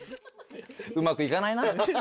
うまくいかないな。